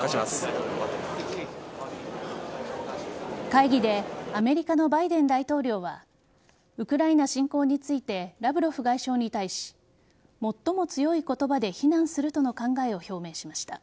会議でアメリカのバイデン大統領はウクライナ侵攻についてラブロフ外相に対し最も強い言葉で非難するとの考えを表明しました。